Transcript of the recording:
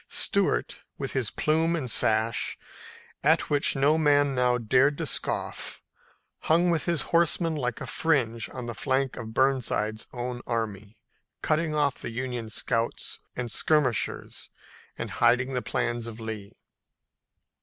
Stuart, with his plume and sash, at which no man now dared to scoff, hung with his horsemen like a fringe on the flank of Burnside's own army, cutting off the Union scouts and skirmishers and hiding the plans of Lee.